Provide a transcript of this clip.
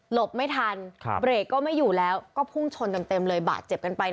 ไม่ทันเบรกก็ไม่อยู่แล้วก็พุ่งชนเต็มเลยบาดเจ็บกันไป